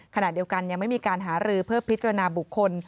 ขณะเดียวกันยังไม่มีการหารือเพื่อพิจารณาบุคคล